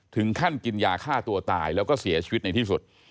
ถึงขั้นกินยาฆ่าตัวตายแล้วก็เสียชีวิตในที่สุด